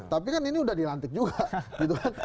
tapi kan ini sudah dilantik juga